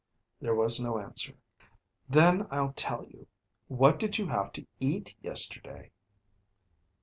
There was no answer. "Then I'll tell you. What did you have to eat yesterday?"